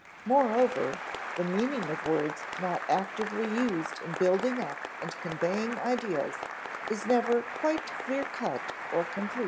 Moreover, the meaning of words not actively used in building up and conveying ideas is never quite clear cut or complete.